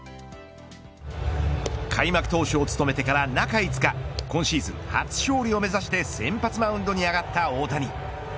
開幕投手を務めてから中５日今シーズン初勝利を目指して先発マウンドに上がった大谷。